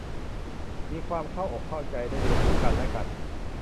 มีความเข้าอกเข้าใจได้เรียนรู้กันและกัน